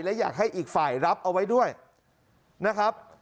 และอยากให้อีกฝ่ายรับเอาไว้ด้วยนะครับ